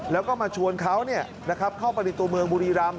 แล้วก็มาชวนเขาเข้าไปในตัวเมืองบุรีรำ